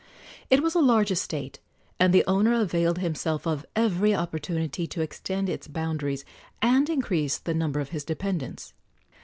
It was a large estate, and the owner availed himself of every opportunity to extend its boundaries and increase the number of his dependents.